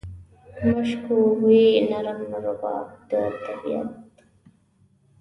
مشکو بوی، نرم رباب د طبیعت و